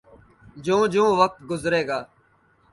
جوں جوں وقت گزرے گا۔